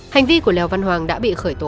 hành vi của lèo văn hoàng đã bị khởi tố